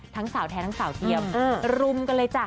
ทั้งสาวแท้ทั้งสาวเทียมรุมกันเลยจ้ะ